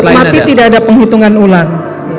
untuk mapi tidak ada penghitungan ulang